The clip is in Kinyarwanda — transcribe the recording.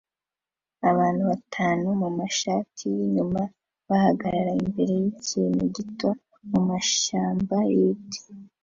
Abantu batanu mumashati yinyuma bahagarara imbere yikintu gito mumashyamba y'ibiti